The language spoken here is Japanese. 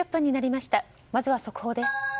まずは速報です。